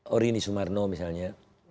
orini sumarno misalnya